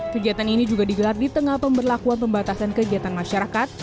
kegiatan ini juga digelar di tengah pemberlakuan pembatasan kegiatan masyarakat